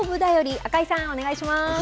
赤井さん、お願いします。